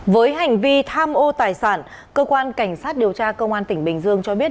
với hành vi tham ô tài sản cơ quan cảnh sát điều tra công an tỉnh bình dương cho biết